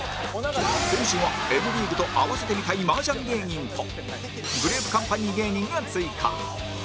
今週は Ｍ リーグと併せて見たい麻雀芸人とグレープカンパニー芸人が追加